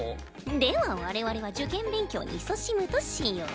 では我々は受験勉強にいそしむとしよう。